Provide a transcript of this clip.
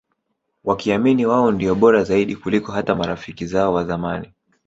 Wakiamini wao ndio Bora Zaidi kuliko hata marafiki zao wazamani